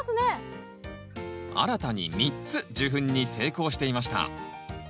新たに３つ受粉に成功していました。